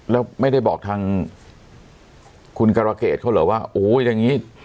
แล้วไม่ได้บอกทางคุณกรเกษเขาเหรอว่าโอ้โหอย่างนี้